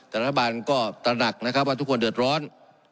แต่รัฐบาลก็ตระหนักนะครับว่าทุกคนเดือดร้อน